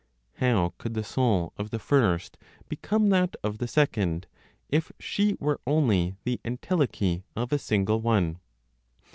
How could the soul of the first become that of the second, if she were only the entelechy of a single one?